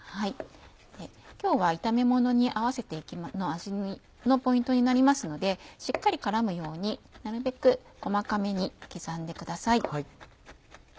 今日は炒めものの味のポイントになりますのでしっかり絡むようになるべく細かめに刻んでください。